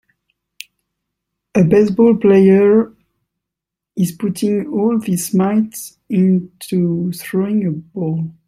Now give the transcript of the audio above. A baseball player is putting all his might in to throwing a ball.